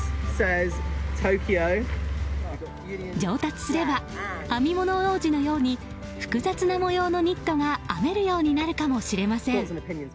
上達すれば編み物王子のように複雑な模様のニットが編めるようになるかもしれません。